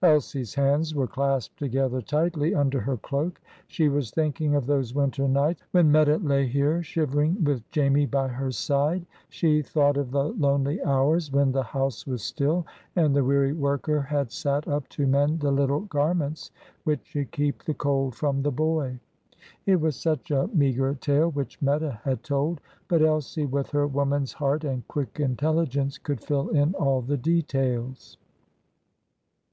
Elsie's hands were clasped together tightly under her cloak. She was thinking of those winter nights when Meta lay here shivering with Jamie by her side; she thought of the lonely hours, when the house was still, and the weary worker had sat up to mend the little garments which should keep the cold from the boy. It was such a meagre tale which Meta had told. But Elsie, with her woman's heart and quick intelligence, could fill in all the details.